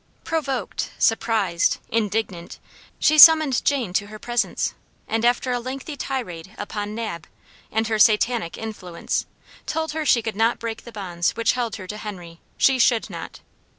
Provoked, surprised, indignant, she summoned Jane to her presence, and after a lengthy tirade upon Nab, and her satanic influence, told her she could not break the bonds which held her to Henry; she should not.